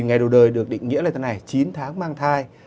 ngày đầu đời được định nghĩa là thế này chín tháng mang thai